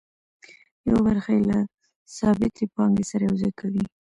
یوه برخه یې له ثابتې پانګې سره یوځای کوي